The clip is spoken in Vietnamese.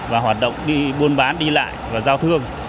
và hoạt động đi buôn bán đi lại và giao thương